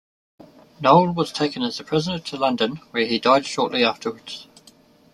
Noel was taken as a prisoner to London, where he died shortly afterwards.